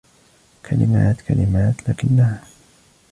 كلمات... كلمات.... لكنها.